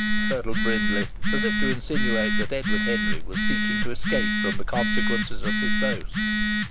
hurtled Brindley, as if to insinuate that Edward Henry was seeking to escape from the consequences of his boast.